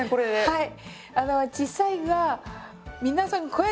はい。